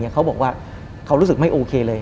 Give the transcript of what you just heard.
เขาบอกว่าเขารู้สึกไม่โอเคเลย